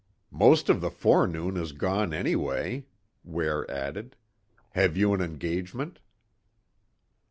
"Most of the forenoon is gone anyway," Ware added. "Have you an engagement?"